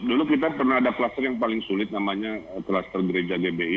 dulu kita pernah ada kluster yang paling sulit namanya kluster gereja gbi